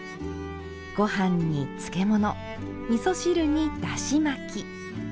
ご飯に漬物みそ汁にだし巻き。